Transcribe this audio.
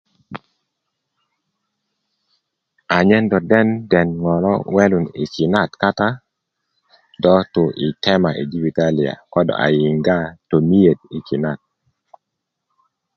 anyen do den den ŋo' lo welun i kinet kata do tu i tema i jibitalia ko do a yinga tomiyet i kinet